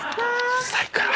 うるさいから。